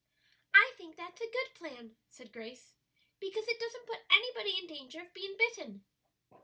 "I think that's a good plan," said Grace, "because it doesn't put anybody in danger of being bitten."